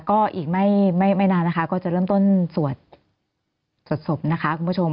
ก็อีกไม่นานนะคะก็จะเริ่มต้นสวดสวดศพนะคะคุณผู้ชม